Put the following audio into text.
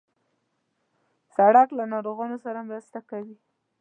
سړک له ناروغانو سره مرسته کوي.